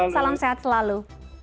salam sehat selalu